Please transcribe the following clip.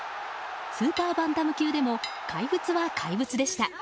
スーパーバンタム級でも怪物は怪物でした。